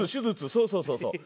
そうそうそうそう。